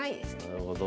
なるほど。